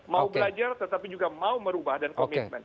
mau belajar tetapi juga mau merubah dan komitmen